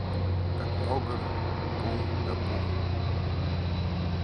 Так мо гын — буҥ да буҥ!